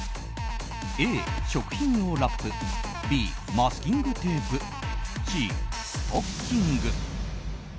Ａ、食品用ラップＢ、マスキングテープＣ、ストッキング。